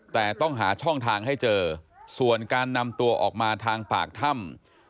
แต่ต้องหาช่องทางให้เจอส่วนการนำตัวออกมาทางปากถ้ำ